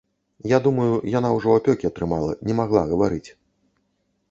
Я думаю, яна ўжо апёкі атрымала, не магла гаварыць.